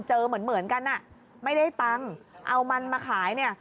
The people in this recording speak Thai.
เหมือนเหมือนกันอ่ะไม่ได้ตังค์เอามันมาขายเนี่ย